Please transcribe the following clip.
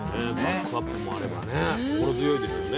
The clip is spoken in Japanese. バックアップもあればね心強いですよね。